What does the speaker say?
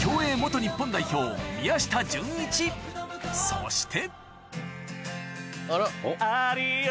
そして